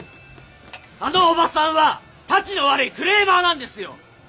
あのおばさんはタチの悪いクレーマーなんですよ。